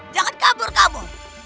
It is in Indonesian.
jangan kabur kamu